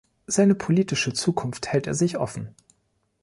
Seine politische Zukunft hält er sich offen.